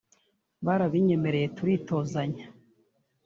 Barabinyemereye turitozanya